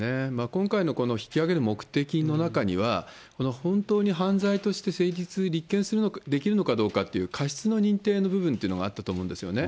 今回のこの引き揚げる目的の中には、この、本当に犯罪として成立、立件できるのかどうかという過失の認定の部分というのがあったと思うんですよね。